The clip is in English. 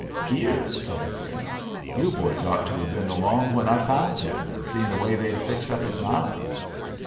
"Ear?" said Ephraim. "You boys ought to been along when I found him, and seen the way they'd fixed up his mouth."